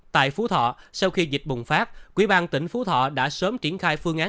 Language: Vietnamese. tại phú thọ sau khi dịch bùng phát quỹ ban tỉnh phú thọ đã sớm triển khai phương án